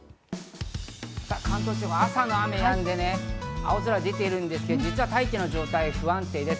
関東地方、朝の雨がやんで青空が出ているんですけど、実は大気の状態が不安定です。